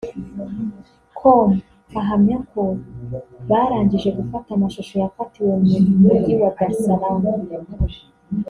com ahamyako barangije gufata amashusho yafatiwe mu mujyi wa Dar Salaam